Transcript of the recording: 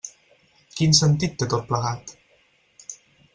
Quin sentit té tot plegat?